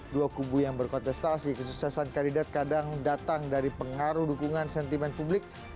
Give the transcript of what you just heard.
dua kubu yang berkontestasi kesuksesan kandidat kadang datang dari pengaruh dukungan sentimen publik